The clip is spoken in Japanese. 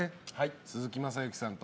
鈴木雅之さんと。